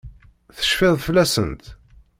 Tecfid fell-asent?